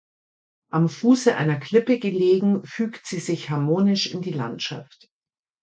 Am Fuße einer Klippe gelegen fügt sie sich harmonisch in die Landschaft.